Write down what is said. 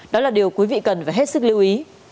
đó là điều quý vị cần phải hết sức lưu ý